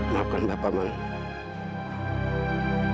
maafkan bapak mak